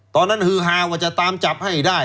ตอนนั้นฮือหาว่าจะตามจับให้ได้